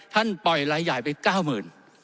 ท่านปล่อยย่ายไป๙๐๐๐๐บาท